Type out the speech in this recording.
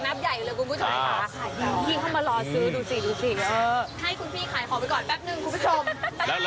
และสัมมาคาราวะนะ